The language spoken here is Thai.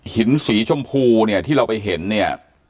สีชมพูเนี่ยที่เราไปเห็นเนี่ย